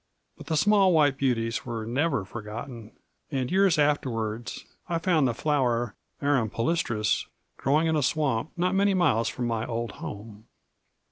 But the small white beauties were never forgotten, and years afterwards I found the flower, arum palustris, growing in a swamp not many miles from my old home.